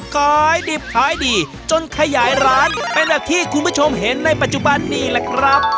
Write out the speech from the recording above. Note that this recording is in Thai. ขายดิบขายดีจนขยายร้านเป็นแบบที่คุณผู้ชมเห็นในปัจจุบันนี่แหละครับ